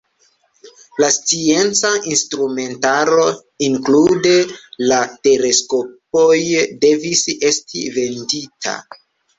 La scienca instrumentaro inklude la teleskopoj, devis esti vendita.